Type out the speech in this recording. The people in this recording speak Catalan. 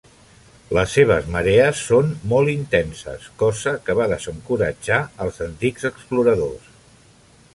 Les seves marees són molt intenses, cosa que va desencoratjar els antics exploradors.